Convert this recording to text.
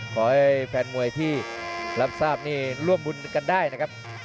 ขอให้แฟนมวยที่รับทราบนี่ร่วมบุญกันได้นะครับ